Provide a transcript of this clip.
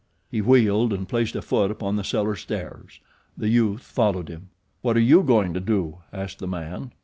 He wheeled and placed a foot upon the cellar stairs. The youth followed him. "What are you going to do?" asked the man.